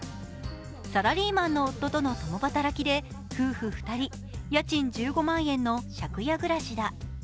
サラリーマンの夫との共働きで夫婦２人、家賃１５万円の借家暮らしだ。